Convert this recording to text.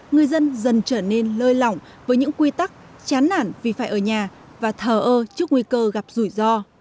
người dân dần trở nên lơi lỏng với những quy tắc chán nản vì phải ở nhà và thờ ơ trước nguy cơ gặp rủi ro